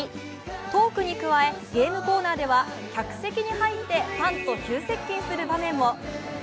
トークに加え、ゲームコーナーでは客席に入ってファンと急接近する場面も。